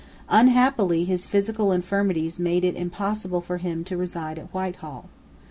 Unhappily his physical infirmities made it impossible for him to reside at Whitehall.